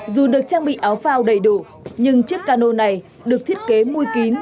dù được trang bị áo phao đầy đủ nhưng chiếc cano này được thiết kế môi kín